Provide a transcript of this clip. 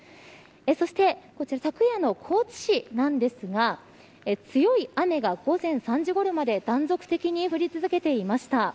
そしてこちら昨夜の高知市なんですが強い雨が午前３時ごろまで断続的に降り続けていました。